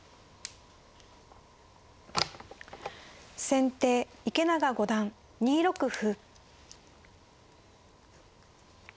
先手池永五段２六歩。